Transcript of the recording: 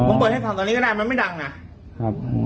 ผมเปิดให้ฟังตอนนี้ก็ได้มันไม่ดังนะครับ